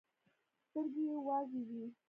سترګې يې وازې وې.